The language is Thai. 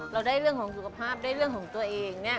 เราได้เรื่องของสุขภาพได้เรื่องของตัวเอง